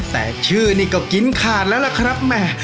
แต่ชื่อนี่ก็กินขาดแล้วล่ะครับแม่